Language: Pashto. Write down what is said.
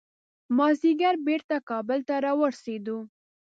مازدیګر بیرته کابل ته راورسېدو.